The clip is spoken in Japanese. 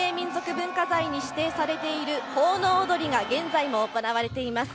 文化財に指定されている奉納踊りが現在も行われています。